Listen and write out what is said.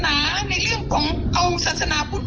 หนาในเรื่องของเอาศาสนาพุทธ